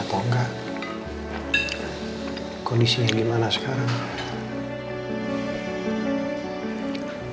apa kepikirannya tom